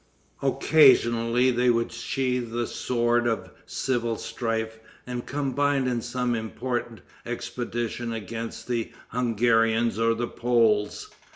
Occasionally they would sheath the sword of civil strife and combine in some important expedition against the Hungarians or the Poles.